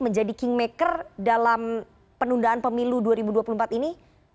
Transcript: menjadi kingmaker dalam penundaan pemilu dua ribu dua puluh empat ini